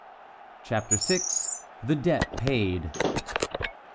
CHAPTER VI. THE DEBT PAID.